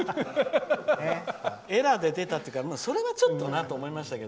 エラーで出たというからそれはちょっとなと思いましたが。